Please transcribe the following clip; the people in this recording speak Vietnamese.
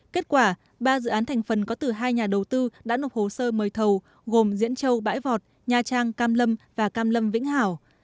kết quả ba dự án thành phần có từ hai nhà đầu tư đã nộp hồ sơ mời thầu gồm diễn châu bãi vọt nha trang cam lâm và cam lâm vĩnh hảo